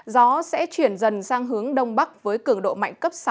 gió sẽ chuyển dần sang hướng đông bắc với cường độ mạnh cấp sáu